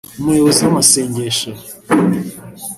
umuyobozi w’amasengesho